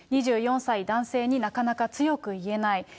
２４歳男性になかなか強く言えない。